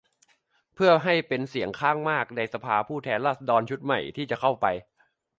เพื่อให้เป็นเสียงข้างมากในสภาผู้แทนราษฎรชุดใหม่ที่จะเข้าไป